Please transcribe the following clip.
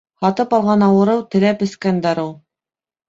Һатып алған ауырыу, теләп эскән дарыу.